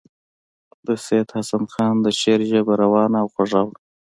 د سید حسن خان د شعر ژبه روانه او خوږه وه.